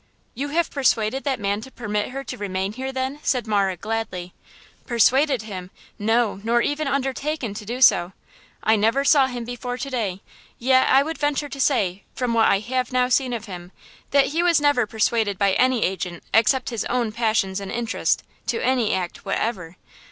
"You have persuaded that man to permit her to remain here, then?" said Marah, gladly. "Persuaded him! no, nor even undertaken to do so! I never saw him before to day, yet I would venture to say, from what I have now seen of him, that he never was persuaded by any agent except his own passions and interest, to any act whatever.